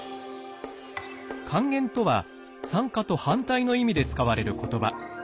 還元とは酸化と反対の意味で使われる言葉。